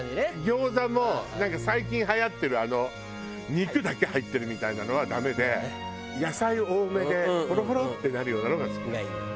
餃子もなんか最近はやってる肉だけ入ってるみたいなのはダメで野菜多めでほろほろってなるようなのが好きなの。